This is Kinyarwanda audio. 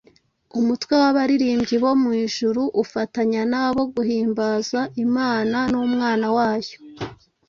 umutwe w’abaririmbyi bo mu ijuru ufatanya na bo guhimbaza Imana n’Umwana wayo